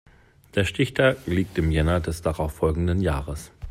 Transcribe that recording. Der Stichtag liegt im Jänner des darauf folgenden Jahres.